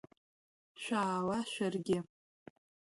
Шәаала шәаргьы!